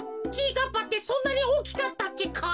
かっぱってそんなにおおきかったっけか？